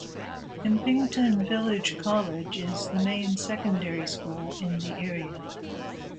Impington Village College is the main secondary school in the area.